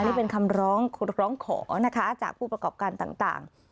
นี่เป็นคำร้องร้องขอนะคะจากผู้ประกอบการต่าง